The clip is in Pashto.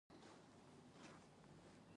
هګۍ د خوړو تنوع ته وده ورکوي.